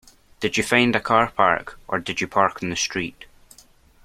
Did you find a car park, or did you park on the street?